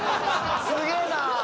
すげえな！